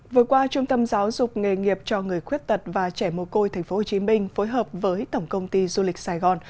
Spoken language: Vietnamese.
vừa qua trung tâm giáo dục nghề nghiệp cho người khuyết tật và trẻ mồ côi tp hcm phối hợp với tổng công ty du lịch sài gòn